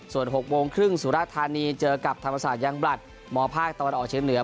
ส่วน๖โมงครึ่งสุราธานีเจอกับธรรมศาสตร์ยังบลัดมภาคตะวันออกเชียงเหนือ